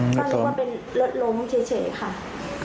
ตอนนี้ว่าเป็นรถล้มเฉยค่ะ